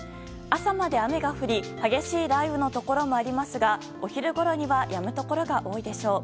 朝まで雨が降り激しい雷雨のところもありますがお昼ごろにはやむところが多いでしょう。